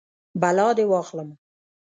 بلا دې واخلم.